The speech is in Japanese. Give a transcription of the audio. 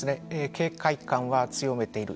警戒感は強めている。